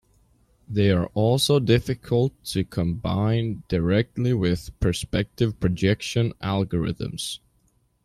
They are also difficult to combine directly with perspective projection algorithms.